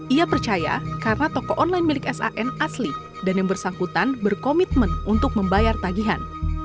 ia percaya karena toko online milik san asli dan yang bersangkutan berkomitmen untuk membayar tagihan